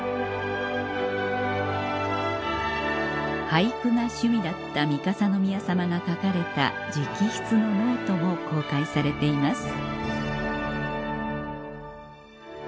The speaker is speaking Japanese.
俳句が趣味だった三笠宮さまが書かれた直筆のノートも公開されています